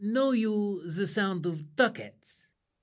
Know you the sound of ducats?